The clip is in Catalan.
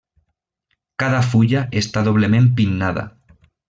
Cada fulla està doblement pinnada.